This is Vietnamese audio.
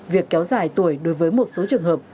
việc kéo dài tuổi đối với một số trường hợp